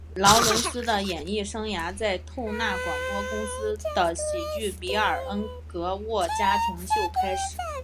劳伦斯的演艺生涯在透纳广播公司的喜剧比尔恩格沃家庭秀开始。